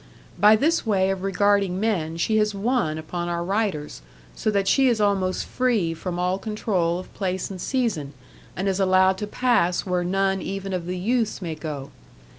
By this way of regarding men she has won upon our riders, so that she is almost free from all control of place and season, and is allowed to pass where none even of the youths may go.